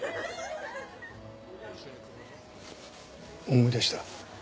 思い出した。